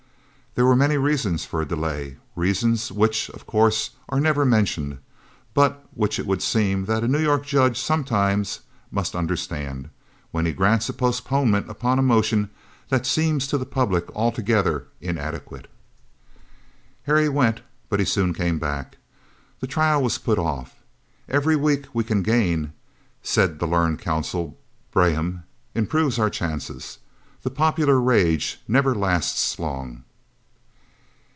There were many reasons for a delay, reasons which of course are never mentioned, but which it would seem that a New York judge sometimes must understand, when he grants a postponement upon a motion that seems to the public altogether inadequate. Harry went, but he soon came back. The trial was put off. Every week we can gain, said the learned counsel, Braham, improves our chances. The popular rage never lasts long.